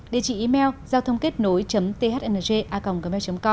đề trị email giao thôngkếtnối thnj com